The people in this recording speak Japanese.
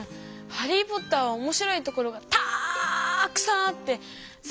「ハリー・ポッター」はおもしろいところがたくさんあってぜんぶ